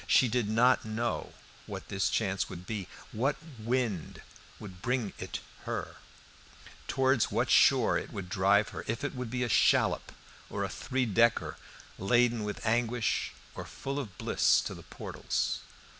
She did not know what this chance would be, what wind would bring it her, towards what shore it would drive her, if it would be a shallop or a three decker, laden with anguish or full of bliss to the portholes.